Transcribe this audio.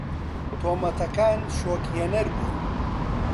تۆمەتەکان شۆکهێنەر بوون.